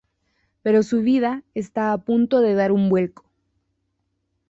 Pero su vida está a punto de dar un vuelco.